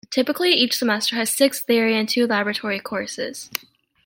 Typically each semester has six theory and two laboratory courses.